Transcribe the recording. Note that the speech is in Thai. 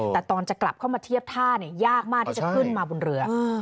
แต่ตอนจะกลับเข้ามาเทียบท่ายากมากที่จะขึ้นมาบนเรือ